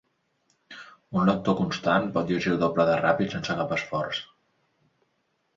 Un lector constant pot llegir el doble de ràpid sense cap esforç.